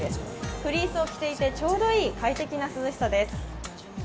フリースを着ていてちょうどいい快適な涼しさです。